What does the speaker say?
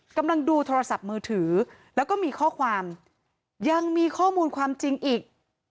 กำลังดูโทรศัพท์มือถือแล้วก็มีข้อความยังมีข้อมูลความจริงอีก